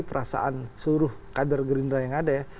perasaan seluruh kader gerindra yang ada ya